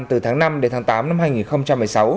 từ tháng năm đến tháng tám năm hai nghìn một mươi sáu